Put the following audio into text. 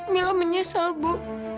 mila menyesal bu